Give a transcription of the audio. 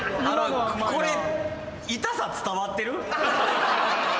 これ痛さ伝わってる？